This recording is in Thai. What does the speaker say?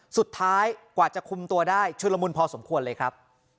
สุดท้ายกว่าจะคุมตัวได้ชุดละมุนพอสมควรเลยครับ